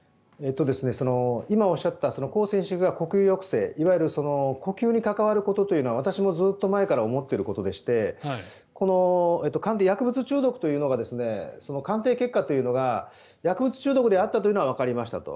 今おっしゃった呼吸抑制いわゆる呼吸に関わることというのは私もずっと前から思っていることでして鑑定結果というのが薬物中毒であるというのはわかりましたと。